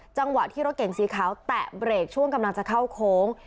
จังหวะที่รถเก่งสีขาวแตะเบรกช่วงกำลังจะเข้าโค้ง